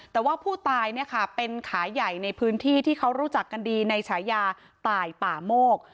แต่ว่าผู้ตายเนี่ยค่ะเป็นขาใหญ่ในพื้นที่ที่เขารู้จักกันดีในฉายาตายป่าโมก